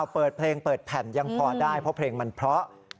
เปิดเพลงเปิดแผ่นยังพอได้เพราะเพลงมันเพราะ